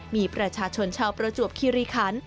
มีประชาชนชาวประจวบคิริคัน